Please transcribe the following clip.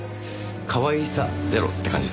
かわいさゼロって感じですかね。